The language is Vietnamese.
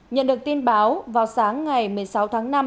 nhận được tin báo vào sáng ngày một mươi sáu tháng năm